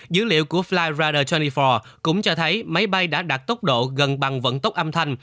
dữ liệu của flyradar hai mươi bốn cũng cho thấy máy bay đã đạt tốc độ gần bằng vận tốc âm thanh